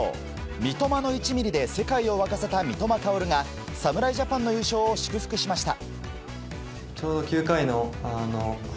三笘の１ｍｍで世界を沸かせた三笘薫が侍ジャパンの優勝を祝福しました。